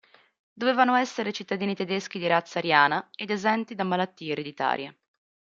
Dovevano essere cittadini tedeschi di razza ariana ed esenti da malattie ereditarie.